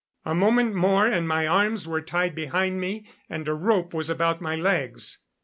A moment more and my arms were tied behind me and a rope was about my legs.